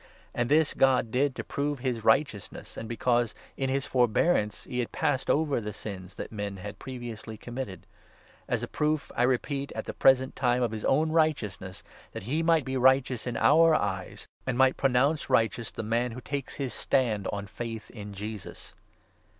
And this God did to prove his righteousness, and because, in his forbearance, he had passed over the sins that men had previously committed ; as a proof, I repeat, at 26 the present time, of his own righteousness, that he might be righteous in our eyes, and might pronounce righteous the man who takes his stand on faith in Jesus.